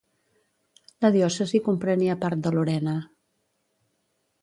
La diòcesi comprenia part de Lorena.